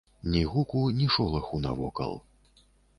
Ні гуку, ні шолаху навокал.